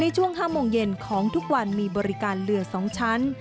ช่วง๕โมงเย็นของทุกวันมีบริการเรือ๒ชั้น